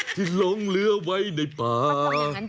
หลงเหลือไว้ในป่า